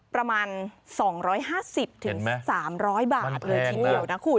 ประมาณ๒๕๐๓๐๐บาทเลยมอยกนาคุณ